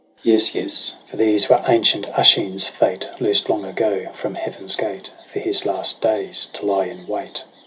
Yes, yes, For these were ancient Oisin's fate Loosed long ago from heaven's gate, For his last clays to lie in wait.